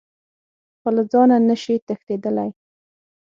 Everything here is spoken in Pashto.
خو له ځانه نه شئ تښتېدلی .